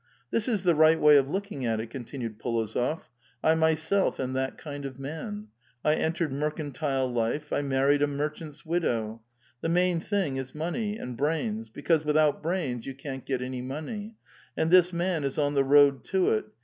This is the right way of looking at it," continued P61ozof. "I myself am that kind of man. I entered mercantile life ; I maiTied a merchant's widow. The main thing is money, and brains, because without brains you can't get any money. And this man is on the road to it.